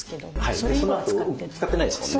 そのあと使ってないですもんね。